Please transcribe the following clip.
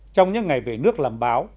trong những ngày về nước làm báo